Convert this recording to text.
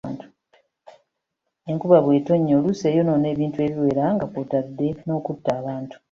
Enkuba bw'etonnya oluusi eyonoona ebintu ebiwera nga kw'otadde n'okutta abantu.